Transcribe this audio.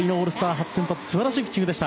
初先発素晴らしいピッチングでした。